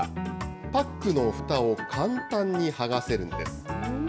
パックのふたを簡単に剥がせるんです。